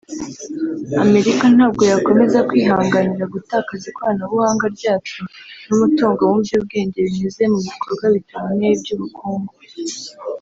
Amerika ntabwo yakomeza kwihanganira gutakaza ikoranabuhanga ryacu n’umutungo mu by’ubwenge binyuze mu bikorwa bitaboneye by’ubukungu